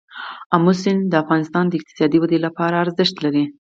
آمو سیند د افغانستان د اقتصادي ودې لپاره ارزښت لري.